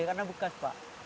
karena bekas pak